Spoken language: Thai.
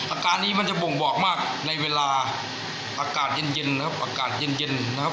อาการนี้มันจะบ่งบอกมากในเวลาอากาศเย็นเย็นนะครับอากาศเย็นเย็นนะครับ